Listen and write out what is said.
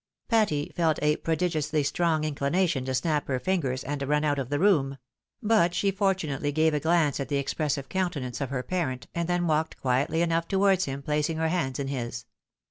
Patty felt a prodigiously strong incKnation to snap her fingers, and run out of the room; but she fortunately gave a glance at the expressive countenance of her parent, and then walked quietly enough towards him, placing her hands in his.